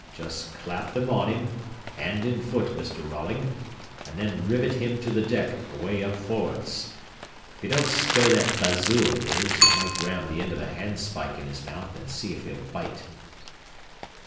Jest clap them on him, hand and foot, Mr. Rolling, and then rivet him to the deck away up forrads. If he don't stow that bazoo of his, you might ram the end of a handspike in his mouth and see if he'll bite."